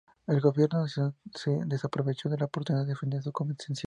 El gobierno nacional no desaprovechó la oportunidad de defender su concesión.